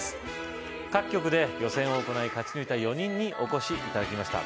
各局で予選を行い勝ち抜いた４人にお越し頂きました